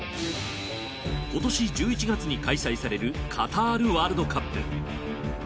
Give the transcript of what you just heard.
今年１１月に開催されるカタールワールドカップ。